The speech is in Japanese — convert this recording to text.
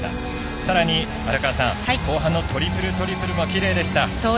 さらに荒川さん、後半のトリプル、トリプルもきれいでした。